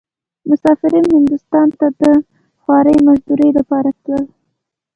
مسافرين هندوستان ته د خوارۍ مزدورۍ لپاره تلل.